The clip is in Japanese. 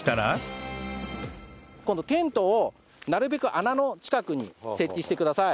今度テントをなるべく穴の近くに設置してください。